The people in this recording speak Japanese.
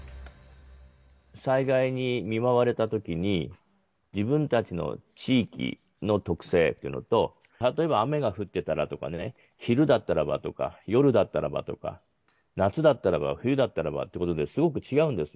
災害に見舞われたときに、自分たちの地域の特性というのと、例えば雨が降ってたらとかね、昼だったらばとか、夜だったらばとか、夏だったらば、冬だったらばということで、すごく違うんですよ。